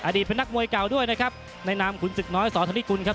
เป็นนักมวยเก่าด้วยนะครับในนามขุนศึกน้อยสอธนิกุลครับ